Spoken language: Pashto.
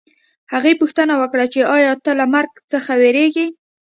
هغې پوښتنه وکړه چې ایا ته له مرګ څخه وېرېږې